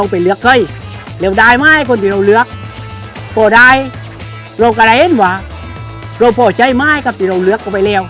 เพราะฉะนั้นวัน๘กล้องนี้